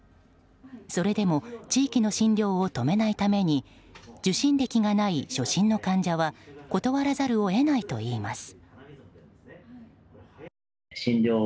それでも地域の診療を止めないために受診歴がない初診の患者は断らざるを得ないといいます。